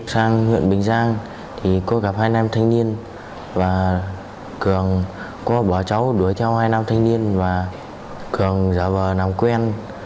sáng huyện bình giang thì cô gặp hai nam thanh niên và cường cô bỏ cháu đuổi theo hai nam thanh niên và cường giả vờ nằm quen